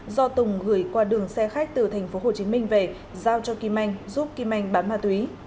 do tùng gửi qua đường xe khách từ tp hcm về giao cho kim anh giúp kim anh bán ma túy